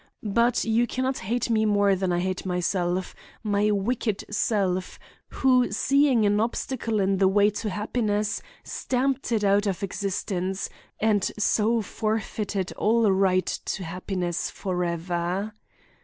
But you can not hate me more than I hate myself, my wicked self, who, seeing an obstacle in the way to happiness, stamped it out of existence, and so forfeited all right to happiness forever.